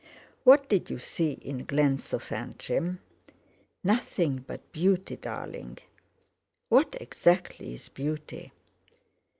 "What did you see in Glensofantrim?" "Nothing but beauty, darling." "What exactly is beauty?"